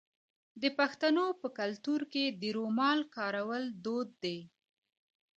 د پښتنو په کلتور کې د رومال کارول دود دی.